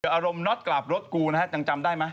ที่อารมณ์น็อสกราบรถกูจำได้มั้ย